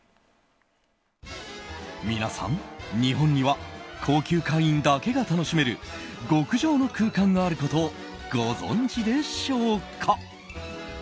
皆さん、日本には高級会員だけが楽しめる極上の空間があることをご存じでしょうか。